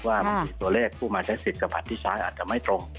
ว่ามันถึงคุณซับตรงอาจจะไม่ตรง